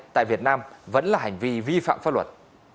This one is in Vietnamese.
tại việt nam vẫn là hành vi vi phạm pháp luật